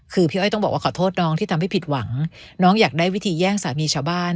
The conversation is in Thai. คือพี่อ้อยต้องบอกว่าขอโทษน้องที่ทำให้ผิดหวังน้องอยากได้วิธีแย่งสามีชาวบ้าน